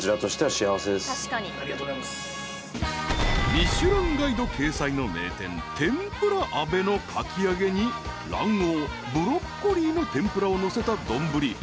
［『ミシュランガイド』掲載の名店天ぷら阿部のかき揚げに卵黄ブロッコリーの天ぷらをのせた丼お幾ら？］